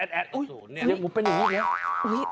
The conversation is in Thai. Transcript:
ดูเป็นอย่างนี้